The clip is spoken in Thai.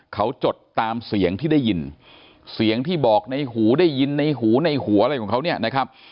เขาจดตามเสียงที่ได้ยินเสียงที่บอกในหูได้ยินในหูในหัวอะไรของเขาเนี่ยนะครับ